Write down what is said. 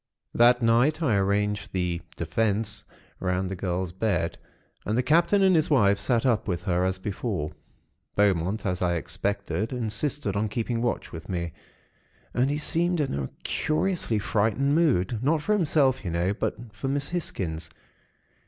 "That night, I arranged the 'Defense' round the girl's bed, and the Captain and his wife sat up with her, as before. Beaumont, as I expected, insisted on keeping watch with me, and he seemed in a curiously frightened mood; not for himself, you know; but for Miss Hisgins.